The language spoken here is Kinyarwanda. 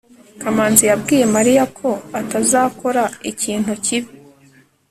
kamanzi yabwiye mariya ko atazakora ikintu kibi